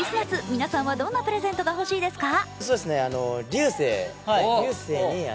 皆さんはどんなプレゼントが欲しいですか？